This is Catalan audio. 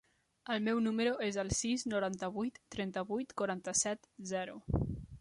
El meu número es el sis, noranta-vuit, trenta-vuit, quaranta-set, zero.